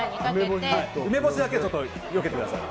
梅干しだけはちょっとよけてください。